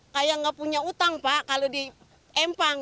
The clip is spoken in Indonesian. kayak nggak punya utang pak kalau di empang